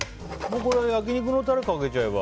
これは焼き肉のタレかけちゃえば。